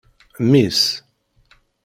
Mmi-s.